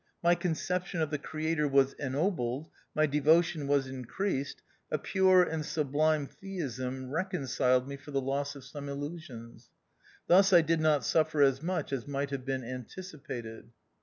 My conception of the Creator was ennobled, my devotion was increased, a pure and sublime Theism reconciled me for the loss of some illusions. Thus I did not suffer as much as might have been anticipated.